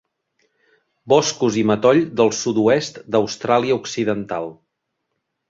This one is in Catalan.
Boscos i matoll del sud-oest d'Austràlia Occidental.